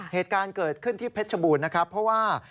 เหตุการณ์เกิดขึ้นที่เพชรบูรณ์นะครับเพราะว่า